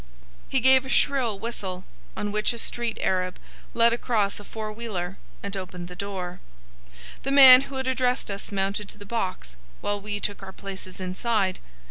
He gave a shrill whistle, on which a street Arab led across a four wheeler and opened the door. The man who had addressed us mounted to the box, while we took our places inside.